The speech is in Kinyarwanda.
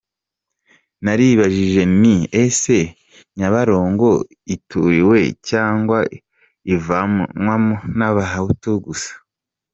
Naribajije nti ese Nyabarongo ituriwe cyangwa ivomwa n’abahutu gusa ?